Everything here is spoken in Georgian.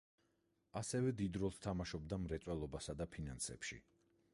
ასევე, დიდ როლს თამაშობდა მრეწველობასა და ფინანსებში.